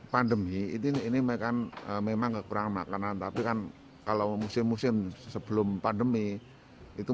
pandemi ini mereka memang kekurangan makanan tapi kan kalau musim musim sebelum pandemi itu